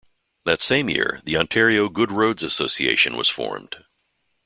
That same year, the Ontario Good Roads Association was formed.